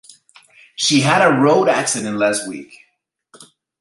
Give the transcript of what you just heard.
She had a road accident last week.